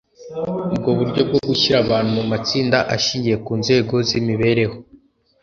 ubwo buryo bwo gushyira abantu mu matsinda ashingiye ku nzego z’imibereho